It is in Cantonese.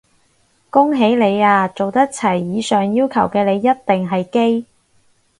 恭喜你啊，做得齊以上要求嘅你一定係基！